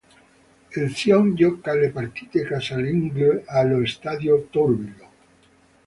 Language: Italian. Il Sion gioca le partite casalinghe allo Stadio Tourbillon.